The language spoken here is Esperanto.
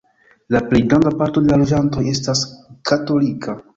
La plej granda parto de la loĝantoj estas katolika.